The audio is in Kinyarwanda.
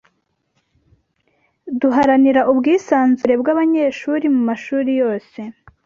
Duharanira ubwisanzure bwabanyeshuri mumashuri yose